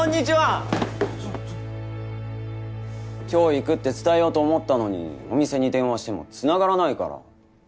今日行くって伝えようと思ったのにお店に電話しても繋がらないから。